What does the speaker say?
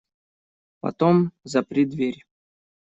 Потом запри дверь.